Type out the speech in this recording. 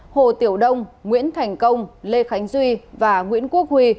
hồ tiểu đông nguyễn thành công lê khánh duy và nguyễn quốc huy